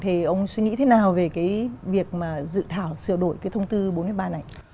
thì ông suy nghĩ thế nào về cái việc mà dự thảo sửa đổi cái thông tư bốn mươi ba này